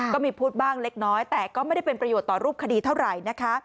ก็มีพูดบ้างเล็กน้อยแต่ก็ไม่ได้เป็นประโยชน์ต่อรูปคดีเท่าไหร่นะคะ